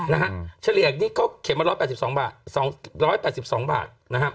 นะฮะเฉลี่ยนี่เขาเขียนมา๑๘๒บาท